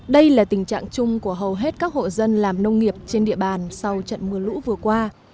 đây là tình trạng chung của hầu hết các hộ dân làm nông nghiệp trên địa bàn sau trận mưa lũ vừa qua